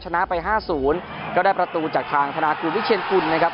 ชนะไป๕๐ก็ได้ประตูจากทางธนากุลวิเชียนกุลนะครับ